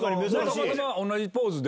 たまたま同じポーズで。